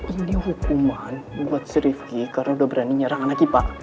ini hukuman buat srivkih karena udah berani nyerang anak ibu pak